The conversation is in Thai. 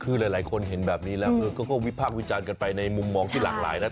คือหลายคนเห็นแบบนี้แล้วก็วิพากษ์วิจารณ์กันไปในมุมมองที่หลากหลายนะ